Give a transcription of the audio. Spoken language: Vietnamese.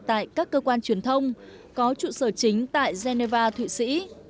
tại các cơ quan truyền thông có trụ sở chính tại geneva thụy sĩ